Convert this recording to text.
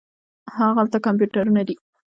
هاغلته کمپیوټرونه دي.